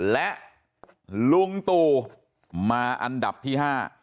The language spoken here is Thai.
และลุงตู่มาอันดับที่๕